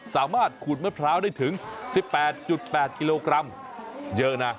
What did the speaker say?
ขูดมะพร้าวได้ถึง๑๘๘กิโลกรัมเยอะนะ